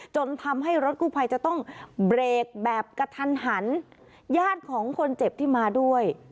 จนทำให้รถกู้ภัยจะต้องเบรกแบบกระทันหันญาติของคนเจ็บที่มาด้วย